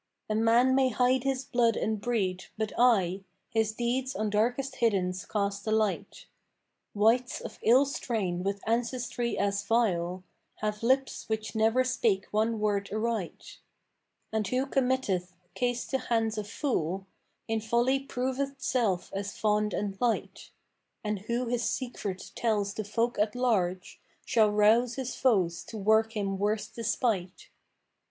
A man may hide his blood and breed, but aye * His deeds on darkest hiddens cast a light. Wights of ill strain with ancestry as vile * Have lips which never spake one word aright: And who committeth case to hands of fool * In folly proveth self as fond and light; And who his secret tells to folk at large * Shall rouse his foes to work him worst despight.